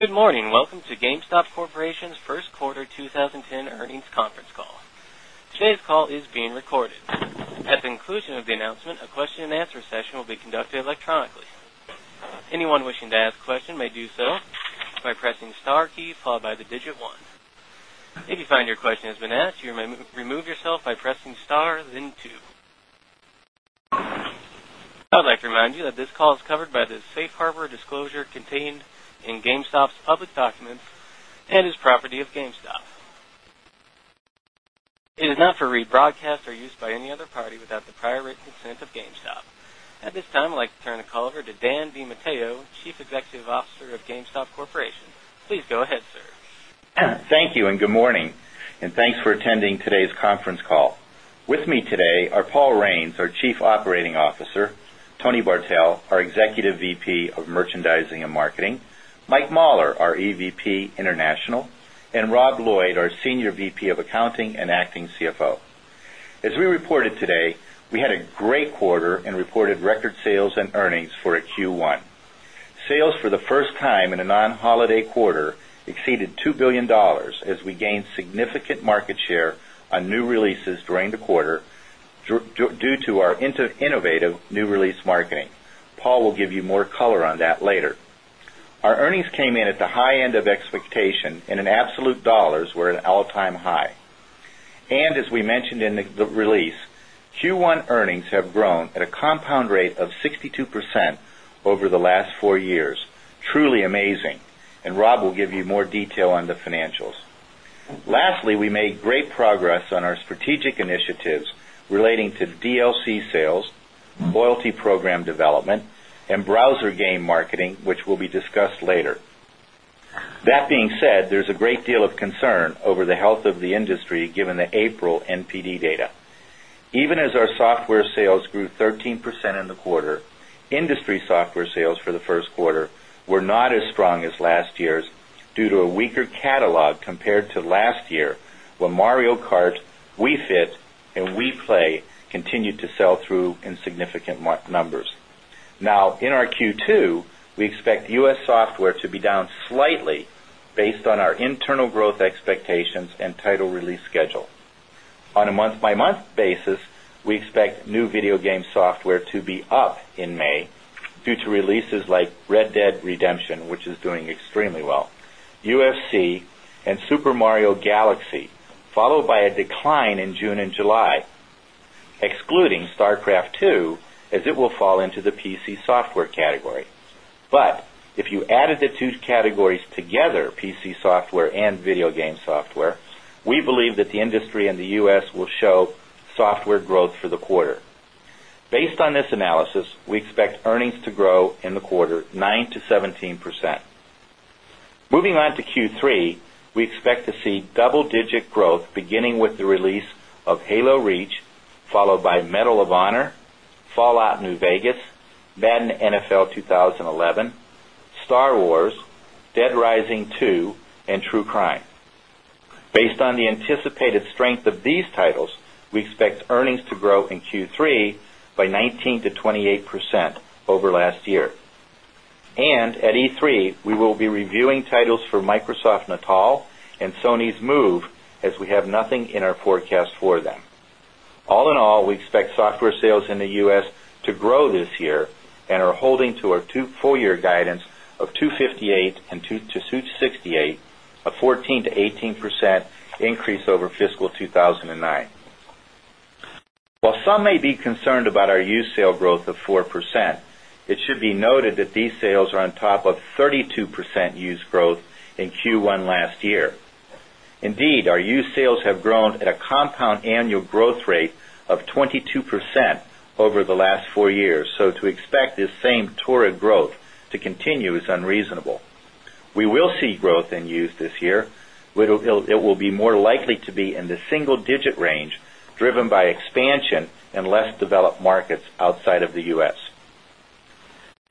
Welcome to GameStop Corporation's First Quarter 20 10 Earnings Conference Call. Today's call is being recorded. At the conclusion of the announcement, a question and answer session will be conducted electronically. I would like to remind you that this call is covered by the Safe Harbor disclosure contained in GameStop's public documents and its property of GameStop. It is not for rebroadcast or use by any other party without the prior written consent of GameStop. At this time, I'd like turn the call over to Dan DiMatteo, Chief Executive Officer of GameStop Corporation. Please go ahead, sir. Thank you, and good morning, and thanks for attending today's conference call. With me today are Paul Raines, our Chief Operating Officer Tony Bartel, our Executive VP of Merchandising and Marketing Mike Mahler, our EVP, International and Rob Lloyd, our Senior VP of Accounting and Acting CFO. As we reported today, we had a great quarter and reported record sales and earnings for Q1. Sales for the first time in a non holiday quarter exceeded $2,000,000,000 as we gained significant market share on new releases during the quarter due to our innovative new release marketing. Paul will give you more color on that later. Our earnings came in at the high end of expectation and in absolute dollars were at an all time high. And as we mentioned in the release, Q1 earnings have grown at a compound rate of 62% over the last 4 years, truly amazing. And Rob will give you more detail on the financials. Lastly, we made great progress on our strategic initiatives relating to DLC sales, loyalty program development and browser game marketing, which will be discussed later. That being said, there's a great deal of concern over the health of the industry given the April NPD data. Even as our software sales grew 13% in the quarter, industry software sales for the Q1 were not as strong as last year's due to a weaker catalog compared to last year when Mario Kart, Wii Fit and Wii Play continued to sell through in significant numbers. Now in our Q2, we expect U. S. Software to be down slightly based on our internal growth expectations and title release schedule. On a month by month basis, we expect new video game software to be up in May due to releases like Red Dead Redemption, which is doing extremely well UFC and Super Mario Galaxy, followed by a decline in June July, excluding StarCraft II as it will fall into the PC Software category. But if you added the 2 categories together, PC Software and Video Game Software, we believe that the industry and the U. S. Will show software growth for the quarter. Based on this analysis, we expect earnings to grow in the quarter 9% to 17%. Moving on to Q3, we expect to see double digit growth beginning with the release of Halo Reach, followed by Medal of Honor, Fallout New Vegas, Madden NFL 2011, Star Wars, Dead Rising 2 and True Crime. Based on the anticipated strength of these titles, we expect earnings to grow in Q3 by 19% to 28% over last year. And at E3, we will be reviewing titles for Microsoft Natal and Sony's move as we have nothing in our forecast for them. All in all, we expect software sales in the U. S. To grow this year and are holding to our full year guidance of $258,000,000 to suit $68,000,000 a 14% to 18% increase over fiscal 2,009. While some may be concerned about our used sale growth of 4%, it should be noted that these sales are on top of 32 percent used growth in Q1 last year. Indeed, our used sales have grown at a compound annual growth rate of 22% over the last 4 years. So to expect this same toric growth to continue is unreasonable. We will see growth in used this year. It will be more likely to be in the single digit range, driven by expansion in less developed markets outside of the U. S.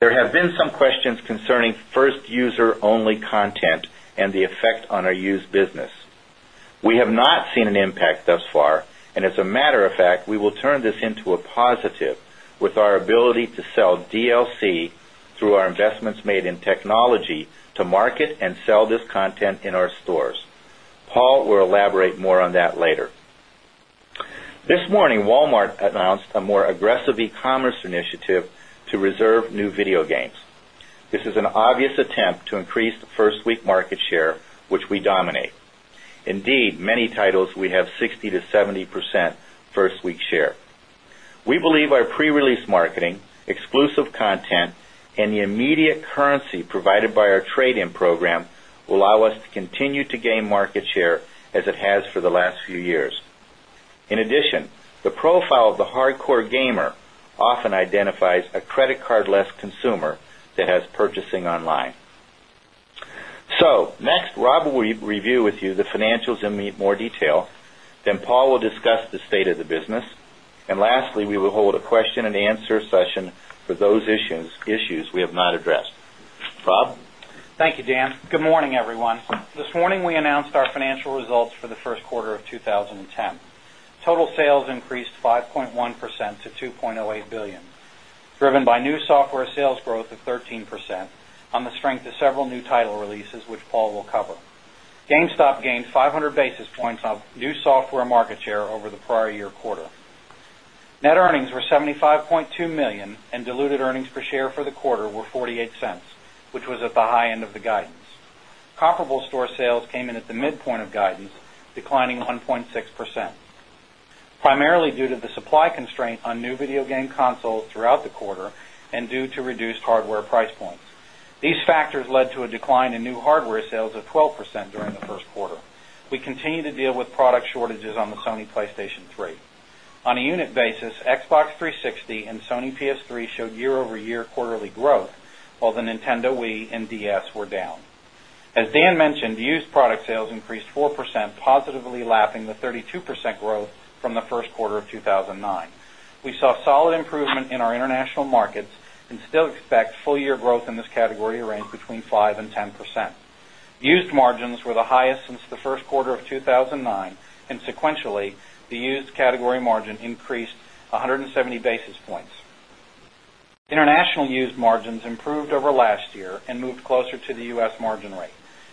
There have been some questions concerning 1st user only content and the effect on our used business. We have not seen an impact thus far and as a matter of fact, we will turn this into a positive with our ability to sell DLC through our investments made in technology to market and sell this content in our stores. Paul will elaborate more on that later. This morning, Walmart announced a more aggressive e commerce initiative to reserve new video games. This is an obvious attempt to increase the 1st week market share, which we dominate. Indeed, many titles we have 60% to 70% 1st week share. We believe our pre release marketing, exclusive content and the immediate currency provided by our trade in program allow us to continue to gain market share as it has for the last few years. In addition, the profile of the hardcore gamer often identifies a credit card less consumer that has purchasing online. So next Rob will review with you the financials in more detail, then Paul will discuss the state of the business. And lastly, we will hold a question and answer session for those issues we have not addressed. Rob? Thank you, Dan. Good morning, everyone. This morning, we announced our financial results for the Q1 of 2010. Total sales increased 5.1 percent to $2,080,000,000 driven by new software sales growth of 13% on the strength of several new title releases, which Paul will cover. GameStop gained 500 basis points of new software market share over the prior year quarter. Net earnings were $75,200,000 and diluted earnings per share for the quarter were $0.48 which was at the high end of the guidance. Comparable store sales came in at the midpoint of guidance declining 1.6%, primarily due to the supply constraint on new video game consoles throughout the quarter and due to reduced hardware price points. These factors led to a decline in new hardware sales of 12% during the Q1. We continue to deal with product shortages on the Sony PlayStation 3. On a unit basis, Xbox 360 and Sony PS3 showed year over year quarterly growth, while the Nintendo Wii and DS were down. As Dan mentioned, used product sales increased 4% positively lapping the 32% growth from the Q1 of 2019. We saw solid improvement in our international markets and still expect full year growth in this category range between 5% 10%. Used margins were the highest since the Q1 of 2009 and sequentially the used category margin increased 170 basis points. International used margins improved over last year and moved closer to the U. S. Margin rate.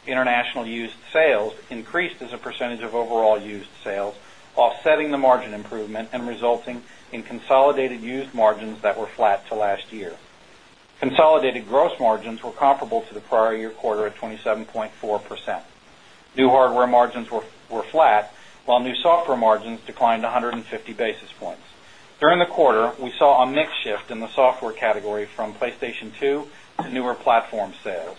International used sales increased as a percentage of overall used sales, offsetting the margin improvement and resulting in consolidated used margins that were flat to last year. Consolidated gross margins were comparable to the prior year quarter at 27.4%. While new software margins declined 150 basis points. During the quarter, we saw a mix shift in the software category from PlayStation 2 to newer platform sales.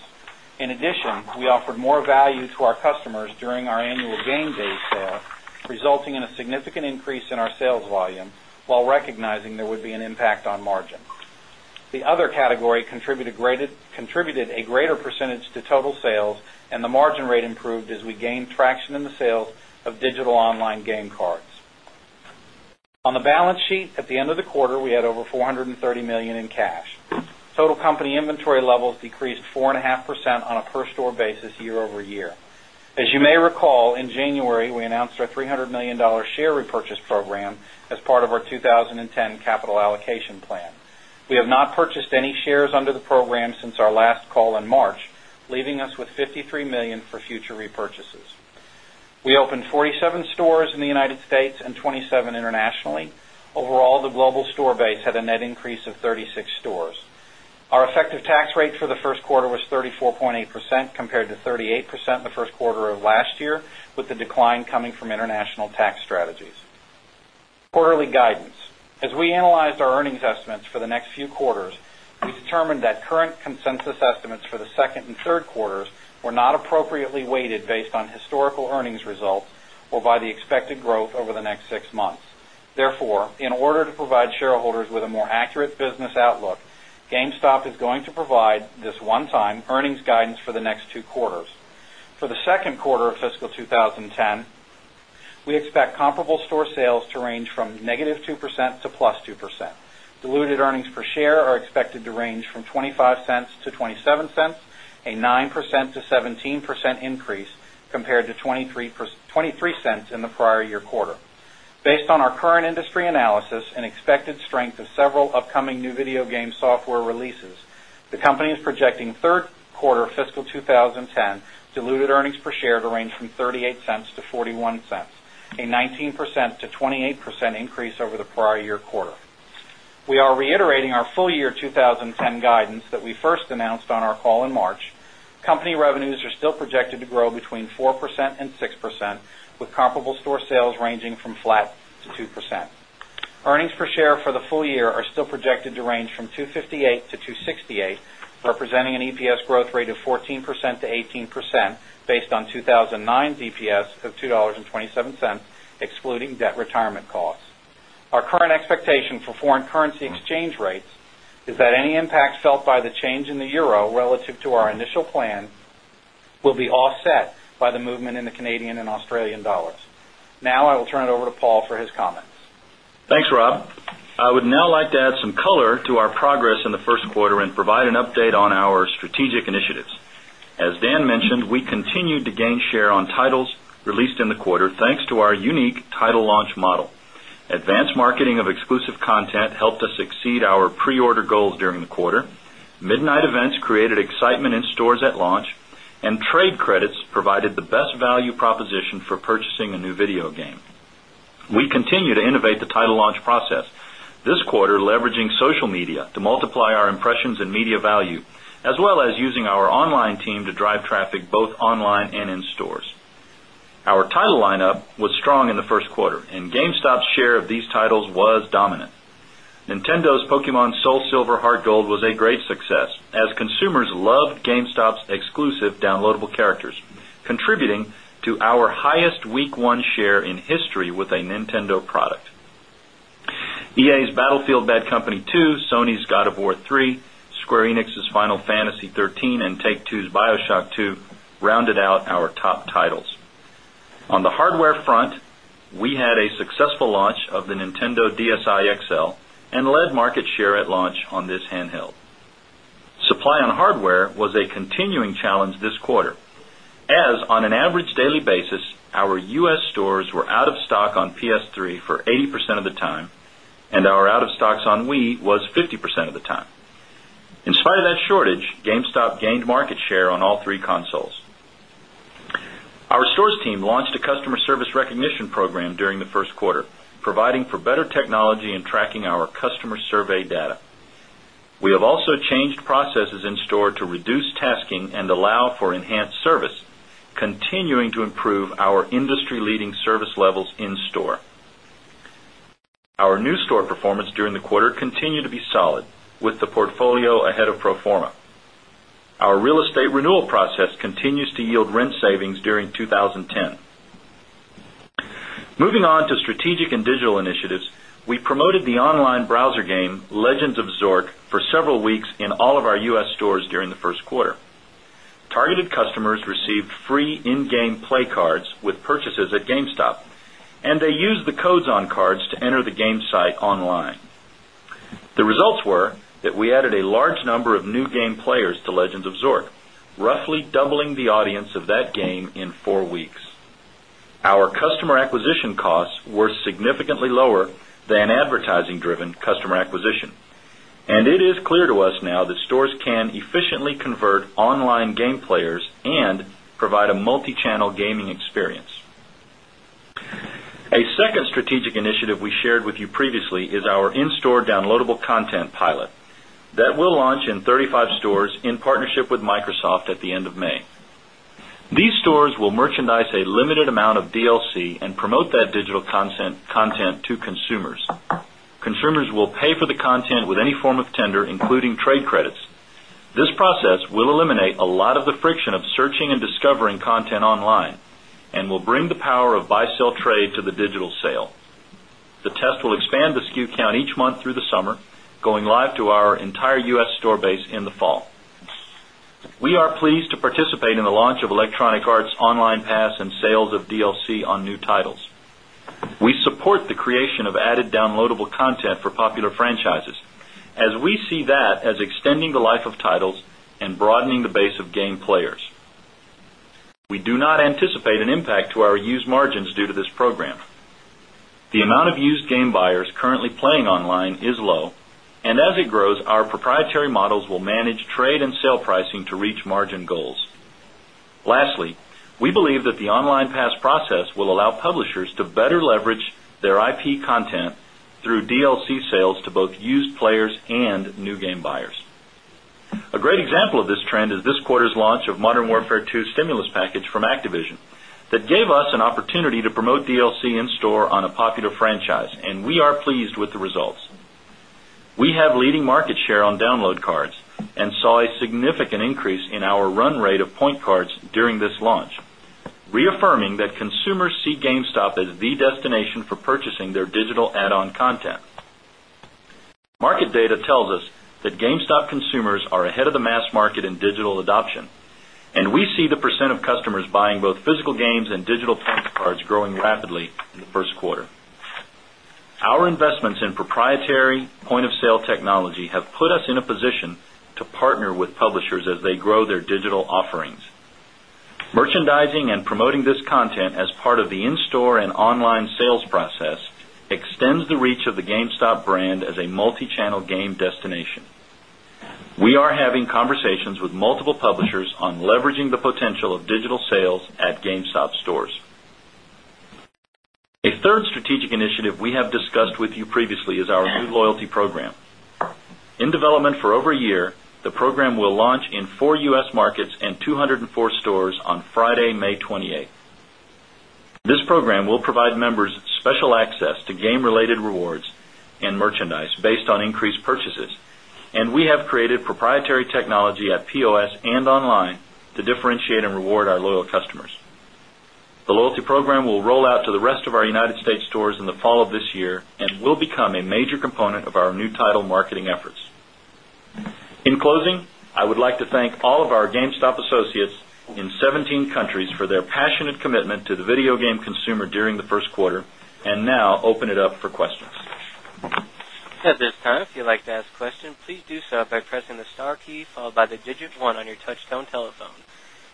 In addition, we offered more value to our customers during our annual game day sale resulting in a significant increase in our sales volume while recognizing there would be an impact on margin. The other category contributed a greater percentage to total sales the margin rate improved as we gained traction in the sales of digital online game cards. On the balance sheet, at the end of the quarter, we had over 4 $30,000,000 in cash. Total company inventory levels decreased 4.5% on a per store basis year over year. As you may recall, in January, we announced our $300,000,000 share repurchase program as part of our 2010 capital allocation plan. We have not purchased any shares under the program since our last call in March, leaving us with $53,000,000 for future repurchases. We opened 47 stores in the United States and 27 internationally. Overall, the global store base had a net increase of 36 stores. Our effective tax rate for the Q1 was 34.8% compared to 38% in the Q1 of last year with the decline coming from international tax strategies. Quarterly guidance. As we analyzed our earnings estimates for the next few quarters, we determined that current consensus estimates for the 2nd and third quarters were not appropriately weighted based on historical earnings results or by the expected growth over the next 6 months. Therefore, in order to provide shareholders with a more accurate business outlook, GameStop is going to provide this one time earnings guidance for the next two quarters. For the Q2 of fiscal 2010, we expect comparable store sales to range from negative 2% to plus 2%. Diluted earnings per share are expected to range from $0.25 to $0.27 a 9% to 17% increase compared to $0.23 in the prior year quarter. Based on our industry analysis and expected strength of several upcoming new video game software releases, the company is projecting 3rd quarter fiscal 20 10 diluted earnings per share to range from $0.38 to $0.41 a 19% to 28% increase over the prior year quarter. We are reiterating our full year 2010 guidance that we first announced on our call in March. Company revenues are still projected to grow between 4% 6% with comparable store sales ranging from flat to 2%. Earnings per share for the full year are still projected to range from $2.58 to $2.68 representing an EPS growth rate of 14% to 18% based on 2,009 EPS of $2.27 excluding debt retirement costs. Our current expectation for foreign currency exchange rates is that any impact felt by the change in the euro relative to our initial plan will be offset by the movement in the Canadian and Australian dollars. Now, I will turn it over to Paul for his comments. Thanks, Rob. I would now like to add some color to our progress in the Q1 and provide an update on our strategic initiatives. As Dan mentioned, we continued to gain share on titles released in the quarter, thanks to our unique title launch model. Advanced marketing of exclusive content helped us exceed our pre order goals during the quarter, midnight events created excitement in stores at launch and trade credits provided the best value proposition for purchasing a new video game. We continue to innovate the title launch process this quarter leveraging social media to multiply our impressions and media value, as well as using our online team to drive traffic both online and in stores. Our title lineup was strong in the Q1 and GameStop's share of these titles was dominant. Nintendo's Pokemon SoulSilver, HeartGold was a great success as consumers loved GameStop's exclusive downloadable characters, contributing to our highest week 1 share in history with a Nintendo product. EA's Battlefield Bad Company 2, Sony's God of War 3, Square Enix's Final Fantasy 13 and Take 2's Bioshock 2 rounded out our top titles. On the hardware front, we had a successful launch of the Nintendo DSi XL and led market share at launch on this handheld. Supply on hardware was a continuing challenge this quarter, as on an average daily basis, our U. S. Stores were out of stock on PS3 for 80% of the time and our out of stocks on Wii was 50% of the time. In spite of that shortage, GameStop gained market share on all three consoles. Our stores team launched a customer service recognition program and allow for enhanced service, continuing to improve our industry leading service levels in store. Our new store performance during the quarter continued to be solid with the portfolio ahead of pro form a. Our real estate renewal process continues to yield rent savings during 20 Targeted customers received free in game play cards with purchases at GameStop and they used the codes on cards to enter the game site online. The results were that we added a large number of new game players to Legends of Zork, roughly doubling the audience of that game in 4 weeks. Our customer acquisition costs were significantly lower than advertising driven customer acquisition and it is clear to us now that stores can efficiently convert online game players and provide a multi channel gaming experience. A second strategic initiative we shared with you previously is our in store downloadable content pilot that will launch in 35 stores in partnership with Microsoft at the end of May. These stores will merchandise a limited amount of DLC and promote that digital content to consumers. Consumers will pay for the content with any form of tender, including trade credits. This process will eliminate a lot of the friction of searching and discovering content online and will bring the power of buy sell trade to the digital sale. The test will expand the SKU count each month through the summer, going live to our entire U. S. Store base in the fall. We are pleased to participate in the launch of Electronic Arts Online Pass and sales of DLC on new titles. We support the creation of added downloadable content for popular franchises as we see that as extending the life of titles and broadening the base of game players. We do not anticipate an impact to our used margins due to this program. The amount of used game buyers currently playing online is low and as it grows, our proprietary models will manage trade and sale pricing to reach margin goals. Lastly, we believe that the online pass process will allow publishers to better leverage their IP content through DLC sales to both used players and new game buyers. A great example of this trend is this quarter's launch of Modern Warfare 2 stimulus package from Activision that gave us an opportunity to promote DLC in store on a popular franchise and we are pleased with the results. We have leading market share on download cards and saw a a significant increase in our run rate of point cards during this launch, reaffirming that consumers see GameStop as the destination for purchasing their digital add on content. Market data tells us that GameStop consumers are ahead of the mass market in digital adoption and we see the percent of customers buying both physical games and digital playing cards growing rapidly in the Q1. Our investments in proprietary point of sale technology have put us in a position to partner with publishers as they grow their digital offerings. Merchandising and promoting this content as part of the in store and online sales process extends the reach of the GameStop brand as a multichannel game destination. We are having conversations with multiple publishers on leveraging the potential of digital sales at GameStop stores. A third strategic initiative we have discussed with you previously is our new loyalty program. In development for over a year, the program will launch in 4 U. S. Markets and 2 0 4 stores on Friday, May 28. This program will provide members special access to game related rewards and merchandise based on increased purchases and we have created proprietary technology at POS and online to differentiate and reward our loyal customers. The loyalty program will roll out to the rest of our United States stores in the fall of this year and will become a major component of our new title marketing efforts. In closing, I would like to thank all of our GameStop associates in 17 countries for their passionate commitment to the video game consumer during the Q1 and now open it up for questions.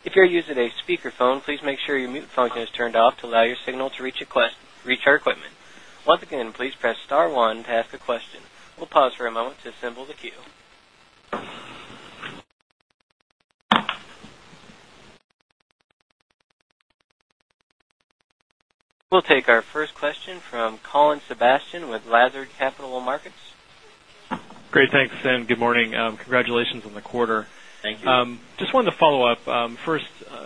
We'll take our first question from Colin Sebastian with Lazard Capital Markets. Great. Thanks and good morning. Congratulations on the quarter. Thank you. First,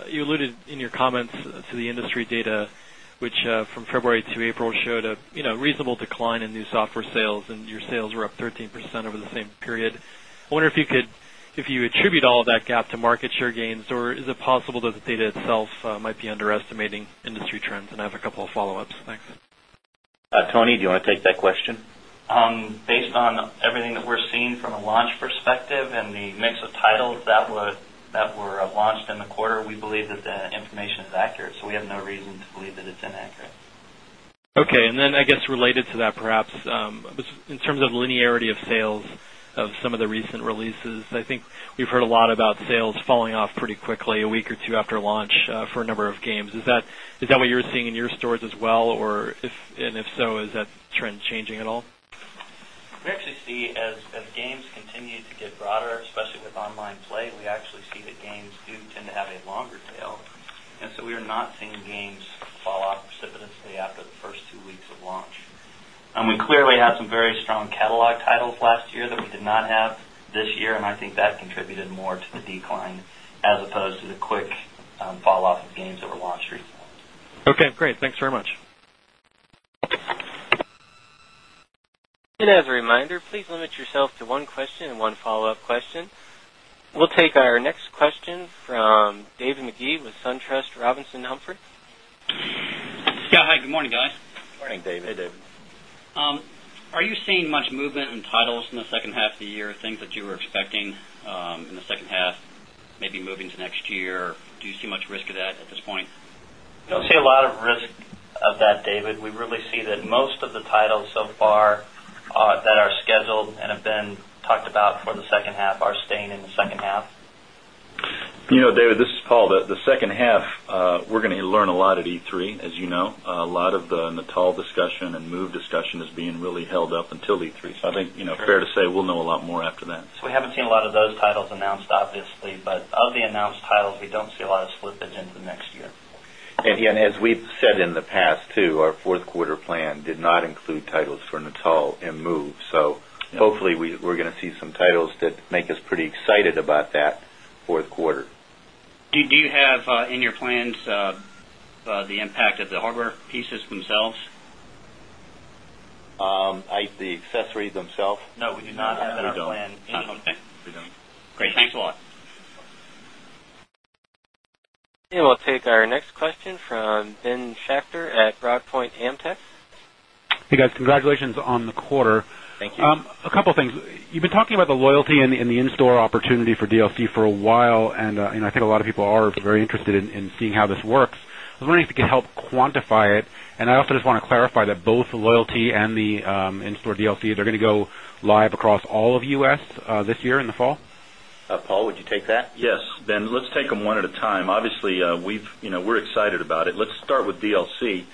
you alluded in your comments to the industry data, which from February to April showed a reasonable decline in new software sales and your sales were up 13% over the same period. I wonder if you could if you attribute all of that gap to market share gains? Or is it possible that the data itself might be underestimating industry trends? And I have a couple of follow ups. Thanks. Tony, do you want to take that question? Based on everything that we're seeing from a launch perspective and the mix of titles that were launched in the quarter, we believe that the information is accurate. So, we have no reason to believe that it's inaccurate. Okay. And then, I guess, related to that perhaps, in terms of linearity of sales of some of the recent releases, I think we've heard a lot about sales falling off pretty quickly a week or 2 after launch for a number of games. Is that what you're seeing in your stores as well? Or if and if so, is that trend changing at all? We actually see as games continue to get broader, especially with online play, we actually see the games do tend to have a longer tail. And so we are not seeing games fall off precipitously after the 1st 2 weeks of launch. And we clearly had some very strong catalog titles last year that we did not have this year and I think that contributed more to the decline as opposed to the quick fall off of games over launch recently. Okay, great. Thanks very much. We'll take our next question from David Magee with SunTrust Robinson Humphrey. Are you seeing much movement in titles in the second half of the year, things that you were expecting in the second half, maybe moving to next year? Do you see much risk of that at this point? We don't see a lot of risk of that, David. We really see that most of the titles so far that are scheduled and have been talked about for the second half are staying in the second half. David, this is Paul. The second half, we're going to learn a lot at E3. As you know, a lot of the Natal discussion and move discussion is being really held up until E3. So I think, fair to say, we'll know a lot more after that. So we haven't seen a lot of those titles announced obviously, but of the announced titles, we don't see a lot of slippage into the next year. And as we've said in the past too, our Q4 plan did not include titles for Natal and move. So hopefully, we're going to see some titles that make us pretty excited about that Q4. Do you have in your plans the impact of the hardware pieces themselves? The accessories themselves? We do not have that in our plan. And we'll take our next question from Ben Schachter at Rock Point Amtech. Hey guys, congratulations on the quarter. Thank you. A couple of things. You've been talking about the loyalty and the in store opportunity for DLC for a while, and I think a lot of people are very interested in seeing how this works. I was wondering if you could help quantify it. And I also just want to clarify that both loyalty and the in store DLCs are going to go live across all of U. S. This year in the fall? Paul, would you take that? Yes. Ben, let's take them 1 at a time. Obviously, we're excited about it. Let's start with DLC.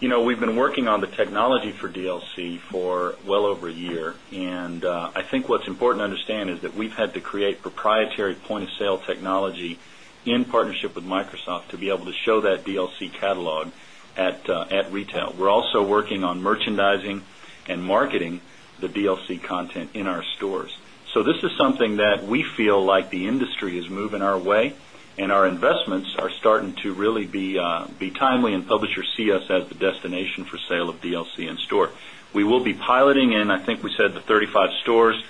We've been working on the technology for DLC for well over a year. And I think what's important to understand is that we've had to create proprietary point of sale technology in partnership with Microsoft to be able to show that DLC catalog at retail. We're also working on merchandising and marketing the DLC content in our stores. So this is something that we feel like the industry is moving our way and our investments are starting to really be timely and publishers see us as the destination for sale of DLC in store. We will be piloting in, I think we said the 35 stores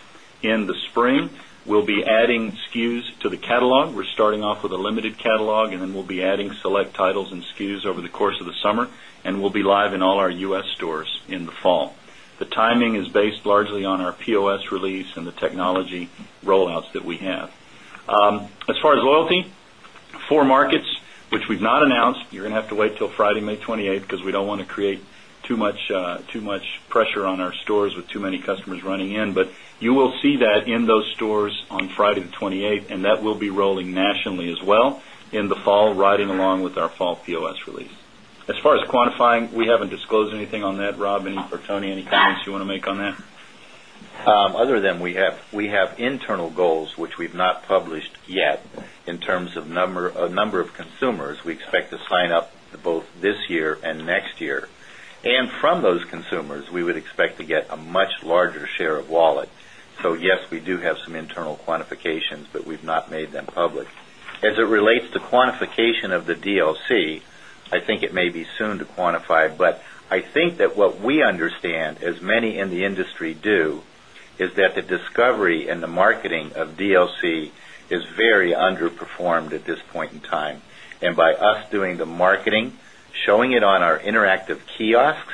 in the spring. We'll be adding SKUs to the catalog. We're starting off with a limited catalog and then we'll be adding select titles and SKUs over the course of the summer we'll be live in all our U. S. Stores in the fall. The timing is based largely on our POS release and the technology rollouts that we have. As far as loyalty, 4 markets, which we've not announced, you're going to have to wait till Friday, May 28, because we don't want to create too much pressure on our stores with too many customers running in, but you will see that in those stores on Friday, 28, and that will be rolling nationally as well in the fall riding along with our fall POS release. As far as quantifying, we haven't disclosed anything on that. Rob or Tony, any comments you want to make on that? Other than we have internal goals, which we've not published yet in terms of number of consumers, we expect to sign up both this year and next year. And from those consumers, we would expect to get a much larger share of wallet. So yes, we do have some internal quantifications, but we've not made them public. As it relates to quantification of the DLC, I think it may be soon to quantify, but I think that what we understand as many in the industry do is that the discovery and the marketing of DLC is very underperformed at this point in time. And by us doing the marketing, showing it on our interactive kiosks,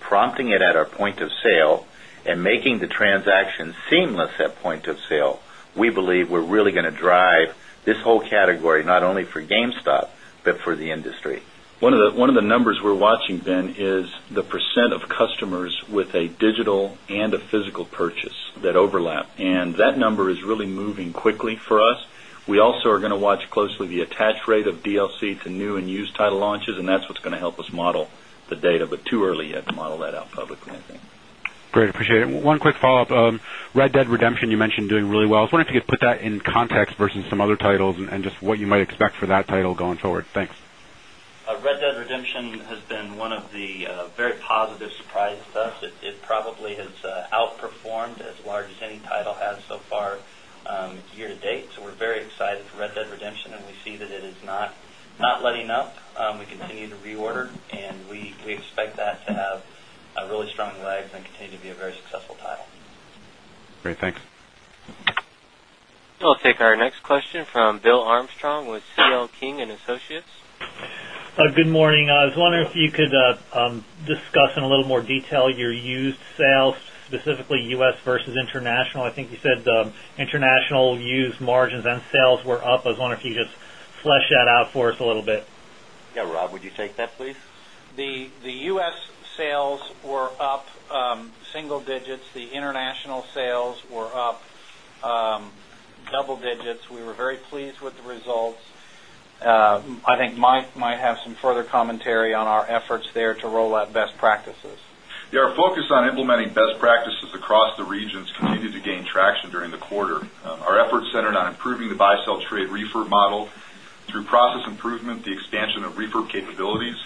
prompting it at our point of sale and making the transaction seamless at point of sale, we believe we're really going to drive this whole category, not only for GameStop, but for the industry. One of the numbers we're watching, Ben, is the percent of customers with a digital and a physical purchase that overlap and that number is really moving quickly for us. We also are going to watch closely the attach rate of DLC to new and used title launches and that's what's going to help us model the data, but too early yet to model that out publicly, I think. Great, appreciate it. One quick follow-up, Red Dead Redemption, you mentioned doing really well. I was wondering if you could put that in context versus some other titles and just what you might expect for that title going forward? Thanks. Red Dead Redemption has been one of the very positive surprises. It probably has outperformed as large as any title has so far year to date. So we're very excited for Red Dead Redemption and we see that it is not letting up. We continue to reorder and we expect that to have really strong legs and continue to be a very successful title. Great. Thanks. We'll take our next question from Bill Armstrong with C. L. King and Associates. Good morning. I was wondering if you could discuss in a little more detail your used sales, specifically U. S. Versus international. I think you said international used margins and sales were up. I was wondering if you could just flesh that out for us a little bit? Yes, Rob, would you take that please? The U. S. Sales were up single digits, the international sales were up double digits. We were very pleased with the results. I think Mike might have some further commentary on our efforts there to roll out best practices. Yes, our focus on implementing best practices across the regions continued to gain traction during the quarter. Our efforts centered on improving the buy sell trade refurb model through process improvement, the expansion of refurb capabilities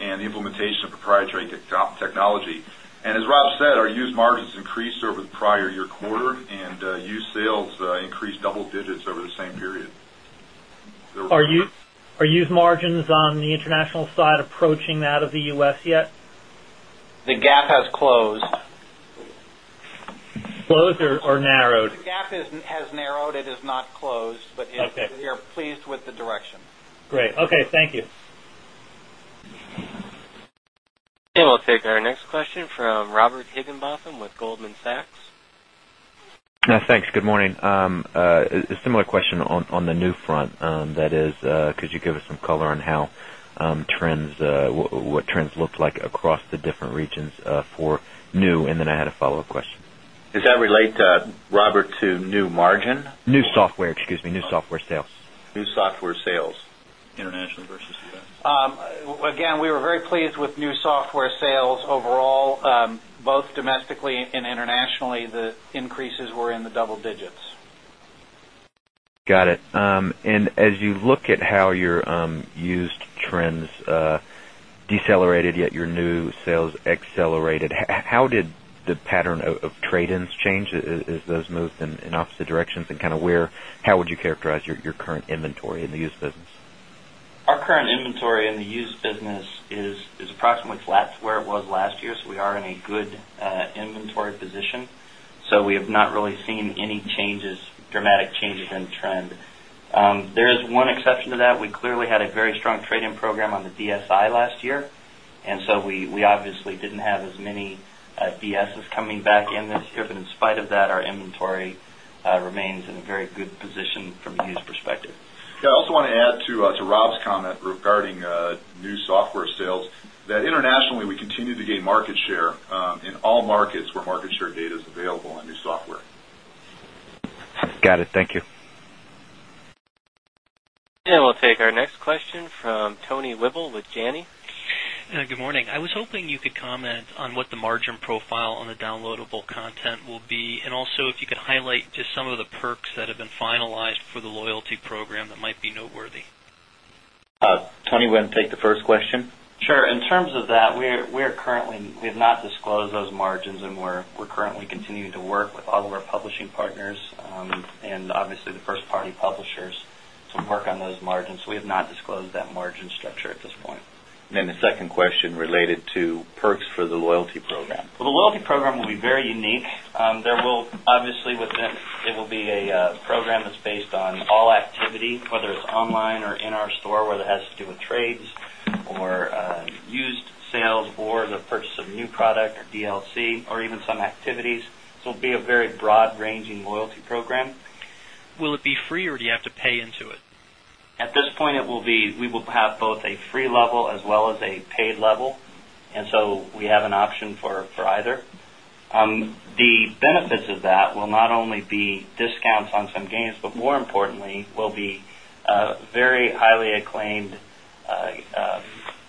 and the implementation of proprietary technology. And as Rob said, our used margins increased over the prior year quarter and used sales increased double digits over the same period. Are used margins on the international side approaching that of the U. S. Yet? The gap has closed. Closed or narrowed? The gap has narrowed, it is not closed, but we are pleased with the direction. Great. Okay. Thank you. And we'll take our next question from Robert Higginbotham with Goldman Sachs. Thanks. Good morning. A similar question on the new front that is could you give us some color on how trends what trends look like across the different regions for new? And then I had a follow-up question. Does that relate, Robert, to new margin? New software, excuse me, new software sales. New software sales. International versus U. S. Again, we were very pleased with new software sales overall, both domestically and internationally, the increases were in the double digits. Got it. And as you look at how your used trends decelerated yet your new sales accelerated, how did the pattern of trade ins change as those moved in opposite directions? And kind of where how would you characterize your current inventory in the used business? Our current inventory in the used business is approximately flat to where it was last year. So we are in a good inventory position. So we have not really seen any changes dramatic changes in trend. There is one exception to that. We clearly had a very strong trade in program on the DSI last year. And so we obviously didn't have as many DSS coming back in this year, but in spite of that, our inventory remains in a very good position a use perspective. Yes, I also want to add to Rob's comment regarding new software sales that internationally we continue to gain market share in all markets where market share data is available on new software. Got it. Thank you. And we'll take our next question from Tony Whipple with Janney. Good morning. I was hoping you could comment on what the margin profile on the downloadable content will be? And also if you could highlight just some of the perks that have been finalized for the loyalty program that might be noteworthy? Tony, you want to take the first question? Sure. In terms of that, we are currently we have not disclosed those margins and we're currently continuing to work with all of our publishing partners and obviously the 1st party publishers to work on those margins. We have not disclosed that margin structure at this point. Then the second question related to PERKS for the loyalty program. The loyalty program will be very unique. There will obviously with it, it will be a program that's based on all activity, whether it's online or in our store, whether it has to do with trades or used sales or the purchase of new product or DLC or even some activities. So it will be a very broad ranging loyalty program. Will it be free or do you have to pay into it? At this point, it will be we will have both a free level as well as a paid level. And so we have an option for either. Very highly acclaimed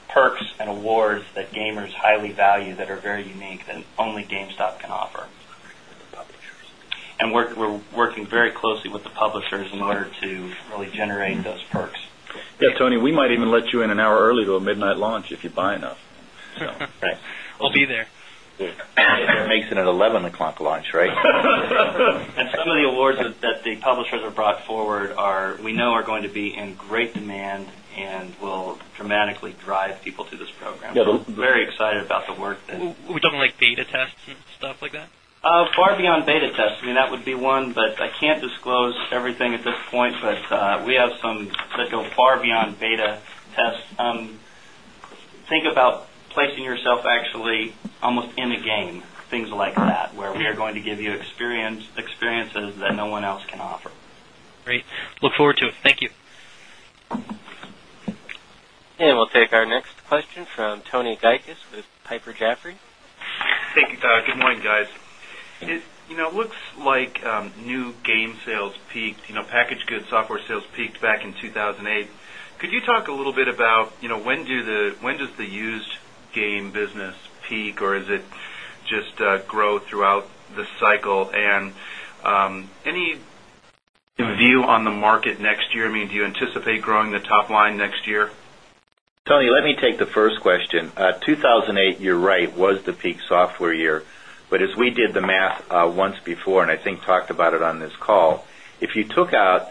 perks and awards that gamers highly value that are very unique and only GameStop can offer. And we're working very closely with the publishers in order to really generate those perks. Yes, Tony, we might even let you in an hour early to a midnight launch if you buy enough. We'll be there. It makes it an 11 o'clock launch, right? And some of the awards that the publishers have brought forward are we know are going to be in great demand and will dramatically drive people to this program. Very excited about the work there. We don't like beta tests and stuff like that? Far beyond beta tests, I mean, that would be one, but I can't disclose everything at this point, but we have some that go far beyond beta tests. Think about placing yourself actually almost in the game, things like that, where we are going to give you experiences that no one else can offer. And we'll take our next question from Tony Gajkus with Piper Jaffray. Hey, good morning guys. It looks like new game sales peaked, packaged goods software sales peaked back in 2,008. Could you talk a little bit about when do the when does the used game business peak or is it just grow throughout the cycle? And any view on the market next year? I mean, do you anticipate growing the top line next year? Tony, let me take the first question. 2000 and 8, you're right, was the peak software year. But as we did the math once before and I think talked about it on this call, if you took out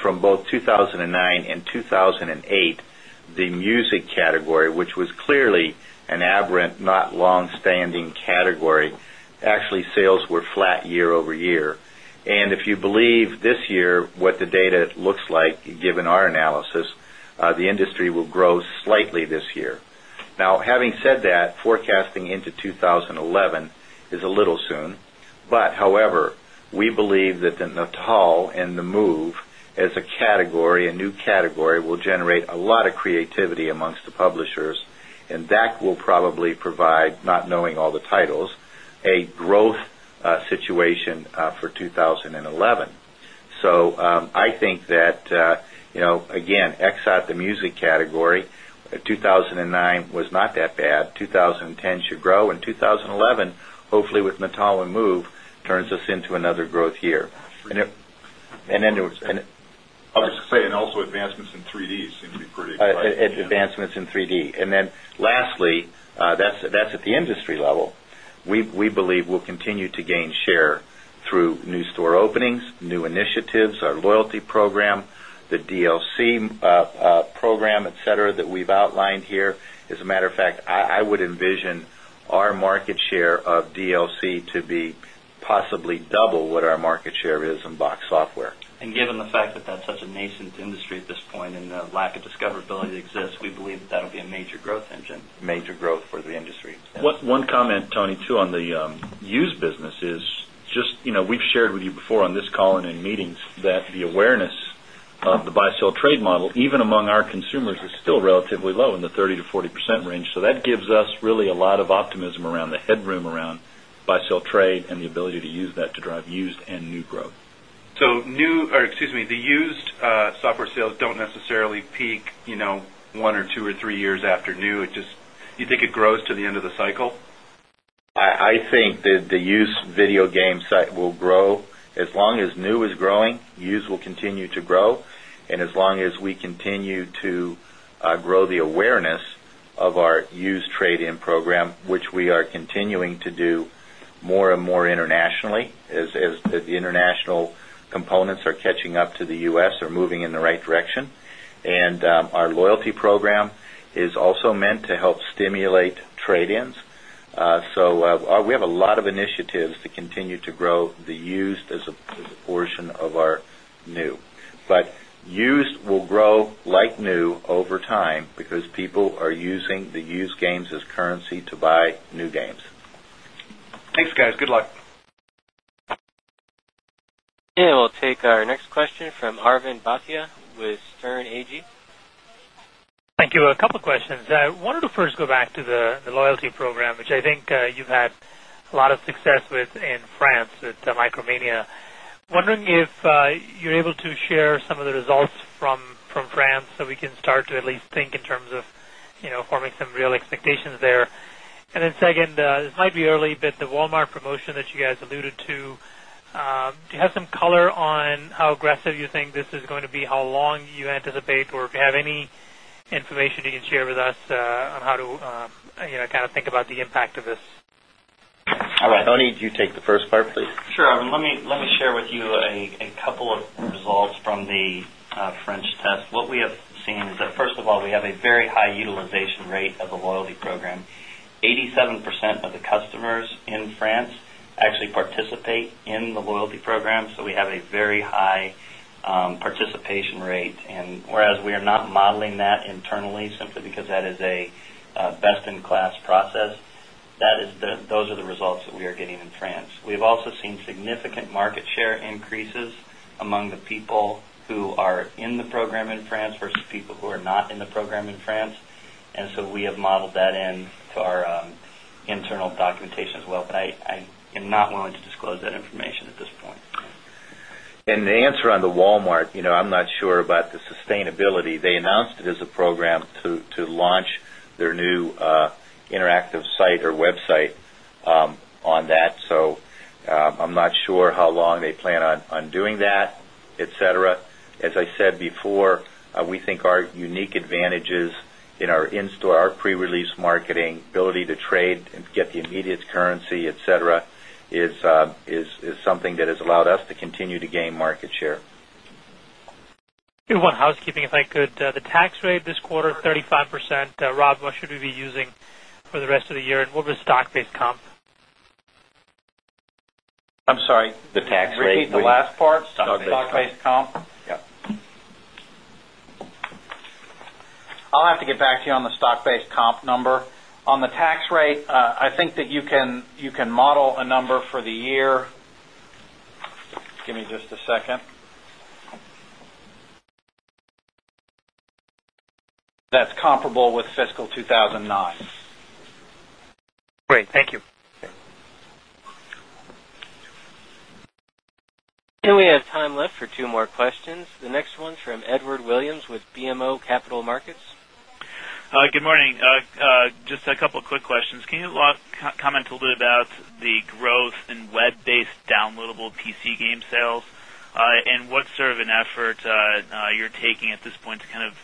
from both 2,009 and 2,008, the music category, which was clearly an aberrant, not long standing category, Actually, sales were flat year over year. And if you believe this year what the data looks like given our analysis, the industry will grow slightly this year. Now having said that, forecasting into 2011 is a little soon, but however, we believe that the Natal and the move as a category, a new category will generate a growth situation for 2011. So I think that, again, ex at the music category, 2,009 was not that bad, 2010 should grow and 2011, hopefully with Mitalin move, turns us into another growth year. And then I was just saying also advancements in 3 d seem to be pretty exciting. Right, advancements in 3 d. And then lastly, that's at the industry level. We believe we'll continue to gain share through new store openings, new initiatives, our loyalty program, the DLC program, etcetera, that we've outlined here. As a matter of fact, I would envision our market share of DLC to be possibly double what our market share is in Box Software. And given the fact that that's such a nascent industry at this point and the lack of discoverability exists, we believe that will be a major growth engine. Major growth for the industry. One comment, Tony, too, on the used business is just we've shared with you before on this call and in meetings that the awareness of the buy sell trade model, even among our consumers, is still relatively low in the 30% to 40% range. So that gives us really a lot of optimism around the headroom around buy sell trade and the ability to use that to drive used and new growth. So new or excuse me, the used software sales don't necessarily peak 1 or 2 or 3 years after new, it just you think it grows to the end of the cycle? I think that the used video game site will grow as long as new is growing, used will continue to grow and as long as we continue to grow the awareness of our used trade in program, which we are continuing to do more and more internationally as the international components are catching up to the U. S. Are moving in the right direction, And our loyalty program is also meant to help stimulate trade ins. So we have a of initiatives to continue to grow the used as a portion of our new. But used will grow like new over time because people are using the used games as currency to buy new games. Thanks guys. Good luck. And we'll take our next question from Arvind Bhatia with Stern AG. Thank you. A couple of questions. I wanted to first go to the loyalty program, which I think you've had a lot of success with in France with Micromania. Wondering if you're able to share some of the results from France, so we can start to at least think in terms of forming some real expectations there. Then second, it might be early, but the Walmart promotion that you guys alluded to, do you have some color on how aggressive you think this is going be? How long you anticipate? Or if you have any information you can share with us on how to kind of think about the impact of this? Tony, do you take the first part, please? Sure. Let me share with you a couple of results from the French What we have seen is that first of all, we have a very high utilization rate of the loyalty program. 87% of the customers in France actually participate in the loyalty program. So we have a very high participation rate. And whereas we are not modeling that internally simply because that is a best in class process. That is those are the results that we are getting in France. We have also seen significant market share increases among the people who are in the program in France versus people who are not in the program in France. And so we have modeled that into our internal documentation as well, but I not willing to disclose that information at this point. And the answer on the Walmart, I'm not sure about the sustainability. They announced it as a program to launch their new interactive site or website on that. So I'm not sure how long they plan on doing that, etcetera. As I said before, we think our unique advantages in our in store, our pre release marketing, ability to trade and get the immediate currency, etcetera, is something that has allowed us to continue to gain market share. One housekeeping, if I could. The tax rate this quarter, 35%, Rob, what should we be using for the rest of the year? And what was stock based comp? I'm sorry, the tax rate, the last part, stock based comp? I'll have to get back to you on the stock based comp number. On the tax rate, I think that you can model a number for the year. Give me just a second. That's comparable with fiscal 2,009. Great. Thank you. And we have time left for 2 more questions. The next one is from Edward Williams with BMO Capital Markets. Good morning. Just a couple of quick questions. Can you comment a little bit about the growth in web based downloadable PC game sales? And what sort of an effort you're taking at this point to kind of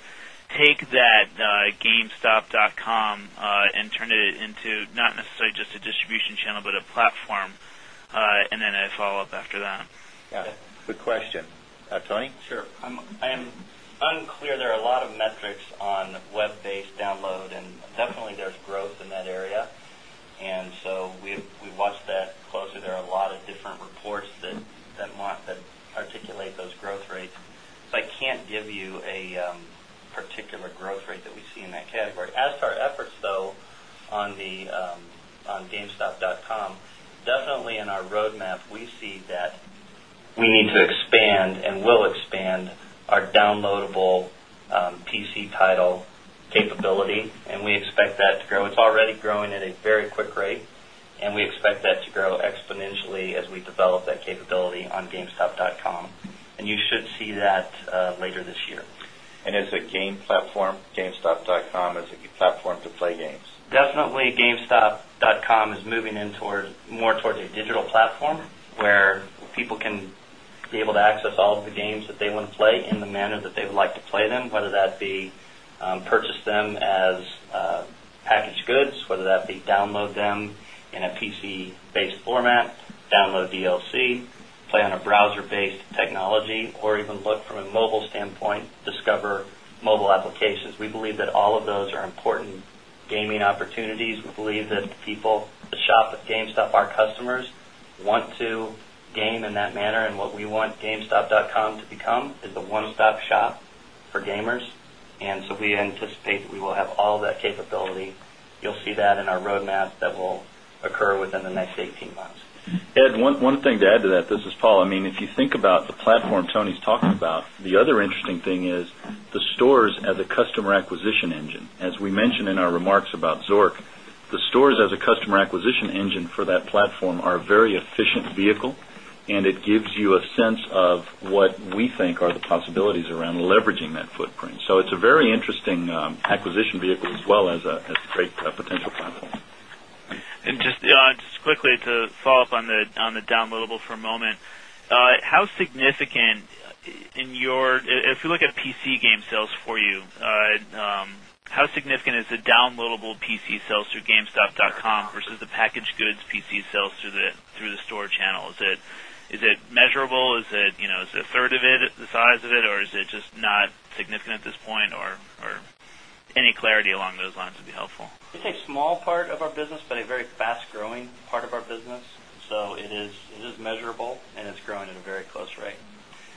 take that GameStop dotcom and turn it into not necessarily just a distribution channel, but a platform? And then a follow-up after that. Good question. Tony? Sure. I am unclear there are a lot of metrics on web based download and definitely there is growth in that area. And so we've watched that closely. There are a lot of different reports that Mark that articulate those growth rates. So, I can't give you a particular growth rate that we see in that category. As to our efforts though on the on game stop dot com, Definitely, in our road map, we see that we need to expand and will expand our downloadable PC title capability, and we expect that to grow. It's already growing at a very quick rate, and we expect that to grow exponentially as we develop that capability on gamestop.com and you should see that later this year. And it's a game platform, gamestop.com is a platform to play games? Definitely, gamestop.com is moving in towards more towards a digital platform, where people can be able to access all of the games that they want to play in the manner that they would like to play them, whether that be purchase them as packaged goods, whether that be download them in a PC based format, download DLC, play on based format, download DLC, play on a browser based technology or even look from a mobile standpoint, discover mobile applications. We believe that all of those are important gaming opportunities. We believe that people shop at GameStop, our customers want to game in that manner and what we want gamestop.com to become is a one stop shop for gamers. And so we anticipate that we will have all that capability. You'll see that in our roadmap that will occur within the next 18 months. Ed, one thing to add to that, this is Paul. I mean, if you think about the platform Tony is talking about, the other interesting thing is the stores as a customer acquisition engine. As we mentioned in our remarks about Zork, the stores as a customer acquisition engine for that platform are very efficient vehicle and it gives you a sense of what we think are the possibilities around leveraging that footprint. So it's a very interesting acquisition vehicle as well as a great potential platform. And just quickly to follow-up on the downloadable for a moment. How significant in your if you look at PC game sales for you, how significant is the downloadable PC sales through gamestop dotcom versus the packaged goods PC sales through the store channel? Is it measurable? Is it a third of it the size of it? Or is it just not significant at this point or any clarity along those lines would be helpful? It's a small part of our business, but a very fast growing part of our business. So it is measurable and it's growing at a very close rate.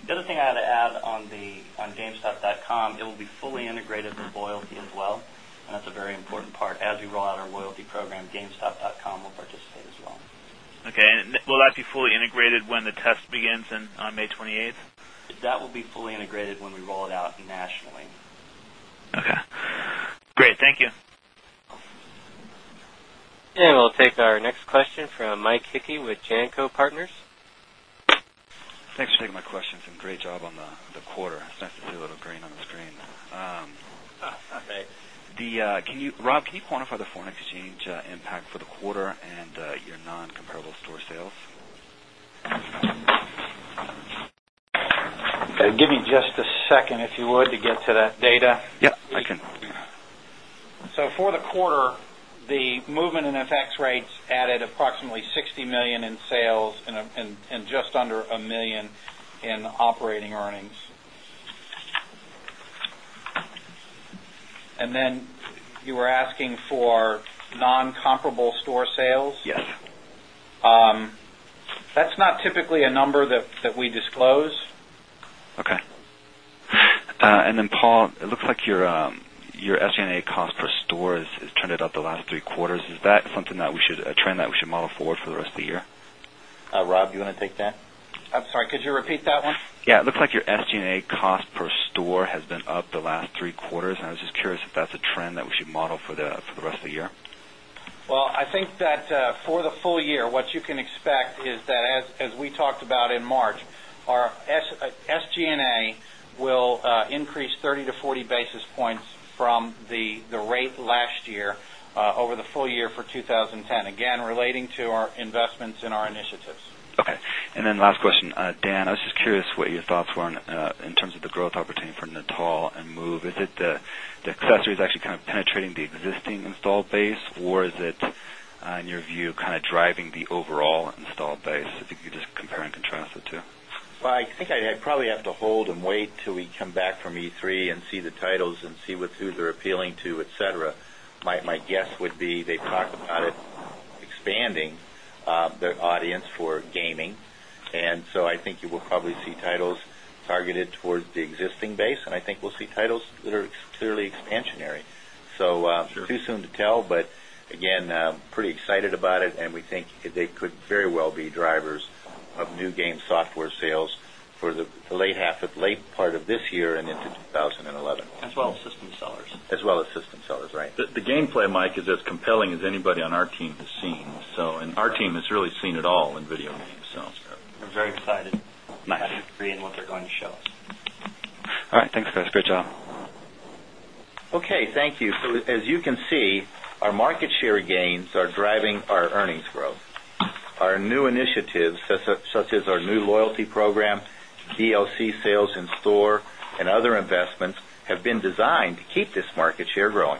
The other thing I had to add on the on gamestop.com, it will be fully integrated with loyalty as well. And that's a very important part as we roll out our loyalty program, gamestop.com will participate as well. Okay. And will that be fully integrated when the test begins on May 28? That will be fully integrated when we roll it out nationally. Okay, great. Thank you. And we'll take our next question from Mike Hickey with JanCo Partners. Thanks for taking my questions and great job on the quarter. It's nice to see a little green on the screen. Rob, can you quantify the foreign exchange impact for get to that data. Yes, I can. So for the quarter, the movement in FX rates added approximately $60,000,000 in sales and just under $1,000,000 in operating earnings. And then you were asking for non comparable store sales? Yes. That's not typically a number that we disclose. Okay. And then Paul, it looks like your SG and A cost per store has trended up the last 3 quarters. Is that something that we should a trend that we should model forward for the rest of the year? Rob, do you want to take that? I'm sorry, could you repeat that one? Yes, it looks like your SG and A cost per store has been up the last three quarters. I was just curious if that's a trend that we should model for the rest of the year? Well, I think that for the full year, what you can expect is that as we talked about in March, our SG and A will increase 30 basis points to 40 basis points from the rate last year over the full year for 20 10, again relating to our investments in our initiatives. Okay. And then last question, Dan, I was just curious what your thoughts were in terms of the growth opportunity for Natal and Move. Is it the accessories actually kind of penetrating the existing installed base? Or is it, in your view kind of driving the overall installed base, if you could just compare and contrast the 2? Well, I think I probably have to hold and wait till we come back from E3 and see the titles and see what who they're appealing to, etcetera. My guess would be they've talked about it expanding their audience for gaming. And so I think you will probably see titles targeted towards the existing base and I think we'll see titles that are clearly expansionary. So too soon to tell, but again, pretty excited about it and we think they could very well be drivers of new game software sales for the late half of late part of this year and into 2011. As well as system sellers. As well as system sellers, right. The gameplay, Mike, is as compelling as anybody on our team has seen. So and our team has really seen it all in video games. I'm very excited to have to agree in what they're going to show us. All right. Thanks guys. Good job. Okay. Thank you. So as you can see, our market share gains are driving our earnings growth. Our new initiatives such as our new loyalty program, ELC sales in store and other investments have been designed to keep this market share growing.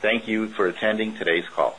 Thank you for attending today's call.